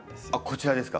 こちらですか？